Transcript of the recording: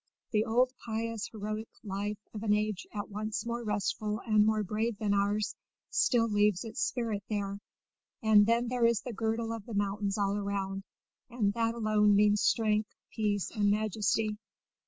The old pious heroic life of an age at once more restful and more brave than ours still leaves its spirit there, and then there is the girdle of the mountains all around, and that alone means strength, peace, majesty.